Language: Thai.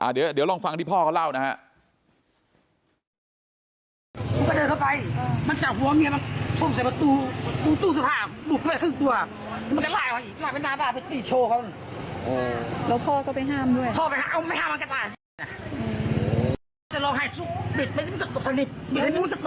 เดี๋ยวลองฟังที่พ่อเขาเล่านะฮะ